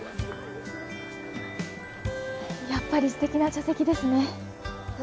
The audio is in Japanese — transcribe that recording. やっぱりすてきな茶席ですね。